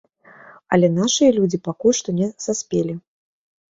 Але нашыя людзі пакуль што не саспелі.